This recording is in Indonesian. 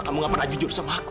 kamu gak pernah jujur sama aku